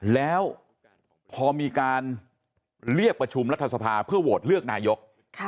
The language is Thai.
แล้วพอมีการเรียกประชุมรัฐสภาเพื่อโหวตเลือกนายก